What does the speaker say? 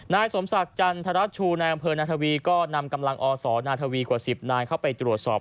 นายสมศักดิ์จันทรัชชูนายอำเภอนาธวีก็นำกำลังอสนาทวีกว่า๑๐นายเข้าไปตรวจสอบ